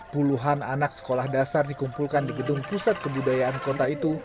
puluhan anak sekolah dasar dikumpulkan di gedung pusat kebudayaan kota itu